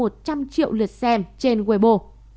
một trăm linh triệu lượt xem trên weibo